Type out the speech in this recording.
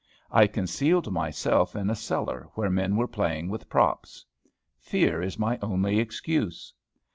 I concealed myself in a cellar where men were playing with props. Fear is my only excuse.